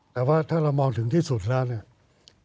แต่ว่าถ้าเรามองถึงที่สุดแล้วเนี่ย